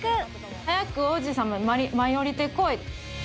「早く王子様舞い降りてこい」。